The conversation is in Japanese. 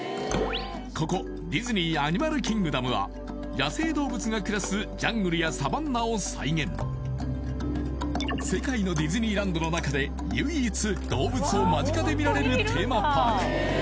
ここディズニー・アニマルキングダムは野生動物が暮らすジャングルやサバンナを再現世界のディズニーランドの中で唯一動物を間近で見られるテーマパーク